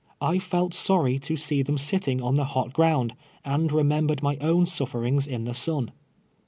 I felt sorry to see them sitting on the hot ground, and remembered my own sufferings in the sun.